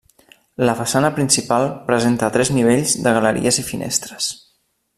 La façana principal presenta tres nivells de galeries i finestres.